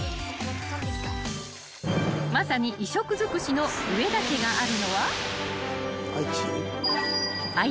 ［まさに異色尽くしの上田家があるのは］